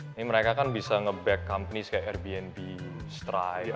ini mereka kan bisa nge back company kayak airbnb stripe